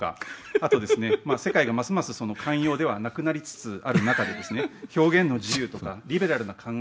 あとですね、世界がますます寛容ではなくなりつつある中で、表現の自由とか、深いなー。